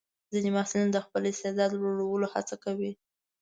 ځینې محصلین د خپل استعداد لوړولو هڅه کوي.